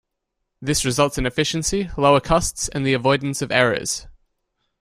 This results in efficiency, lower costs, and the avoidance of errors.